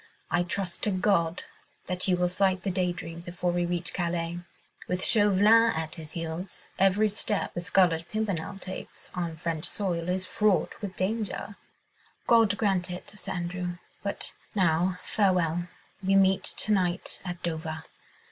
"I trust to God that you will sight the Day Dream before we reach Calais. With Chauvelin at his heels, every step the Scarlet Pimpernel takes on French soil is fraught with danger." "God grant it, Sir Andrew. But now, farewell. We meet to night at Dover!